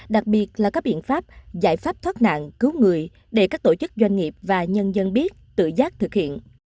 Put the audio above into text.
đặc biệt là các biện pháp giải pháp thoát nạn cứu người để các tổ chức doanh nghiệp và nhân dân biết tự giác thực hiện